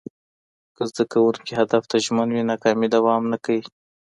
که زده کوونکي هدف ته ژمن وي، ناکامي دوام نه کوي.